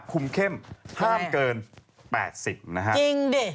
คุมเข้มห้ามเกิน๘๐นะฮะจริงดิ